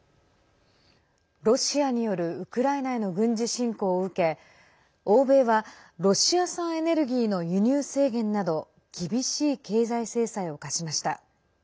ロシアによるウクライナへの軍事侵攻を受け欧米は、ロシア産エネルギーの輸入制限など厳しい経済制裁を科しました。